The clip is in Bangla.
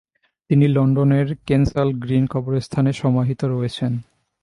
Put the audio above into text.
তিনি লন্ডনের কেনসাল গ্রিন কবরস্থানে সমাহিত রয়েছেন।